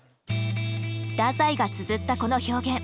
太宰がつづったこの表現。